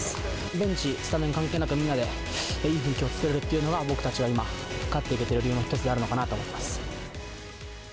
ベンチ、スタメン関係なく、みんなでいい雰囲気を作れるというのが、僕たちが今、勝っていけてる理由の一つであるのかなと思ってます。